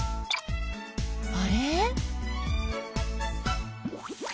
あれ？